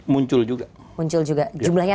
muncul juga muncul juga jumlahnya